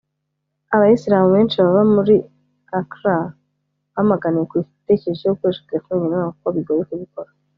Abayisilamu benshi baba muri Accra bamaganiye kure iki gitekerezo cyo gukoresha telefoni ngendanwa kuko bigoye kubikora